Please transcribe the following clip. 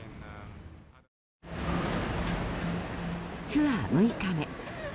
ツアー６日目。